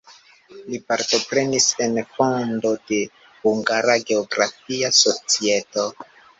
Li partoprenis en fondo de "Hungara Geografia Societo".